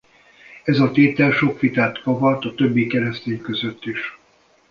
Ez a tétel sok vitát kavart a többi keresztény között is.